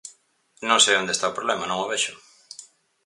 Non sei onde está o problema, non o vexo.